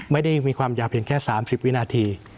ไม่ได้มีความยาวเพียงแค่๓๐วินาที